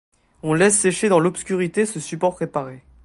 On laisse sécher dans l'obscurité ce support préparé.